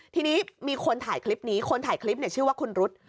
ทีนี้มีคนถ่ายคลิปนี้คนถ่ายคลิปชื่อว่าคุณรุษ